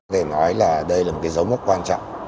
để nói là đây là một cái dấu mốc quan trọng